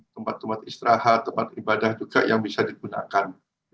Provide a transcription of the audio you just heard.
tempat tempat istirahat tempat ibadah juga yang bisa digunakan